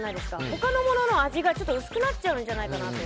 他のものの味が薄くなっちゃうんじゃないかなと。